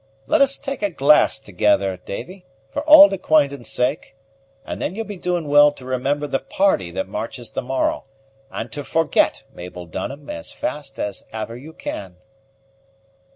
Let us take a glass thegither, Davy, for auld acquaintance sake; and then ye'll be doing well to remember the party that marches the morrow, and to forget Mabel Dunham as fast as ever you can."